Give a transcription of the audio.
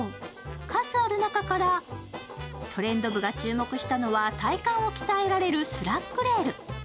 数ある中から、トレンド部が注目したのは体幹を鍛えられるＳＬＡＣＫＲＡＩＬ。